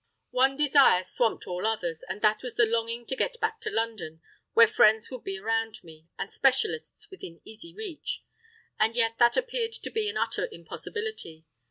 One desire swamped all others, and that was the longing to get back to London where friends would be around me, and specialists within easy reach. And yet that appeared to be an utter impossibility.